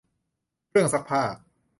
เครื่องซักผ้า